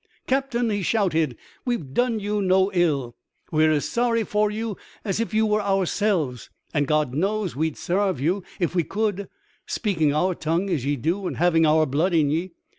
" Captain," he shouted, " we've done you no ill ; we're as sorry for you as if you were ourselves, and God knows we'd sarve you if we could, speaking our tongue as ye do and having our blood in ye.